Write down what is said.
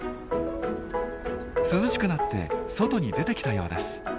涼しくなって外に出てきたようです。